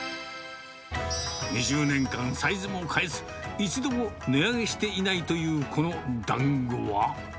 ２０年間サイズも変えず、一度も値上げしていないというこのだんごは。